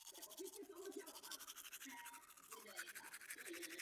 Vodní plocha má protáhlý tvar.